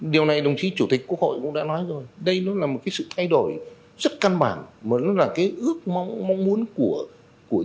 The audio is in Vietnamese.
điều này đồng chí chủ tịch quốc hội cũng đã nói rồi đây nó là một cái sự thay đổi rất căn bản mà nó là cái ước mong muốn của nhân dân của các công dân